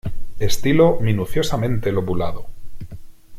Estilo minuciosamente lobulado.